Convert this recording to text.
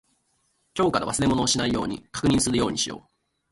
今日から忘れ物をしないように確認するようにしよう。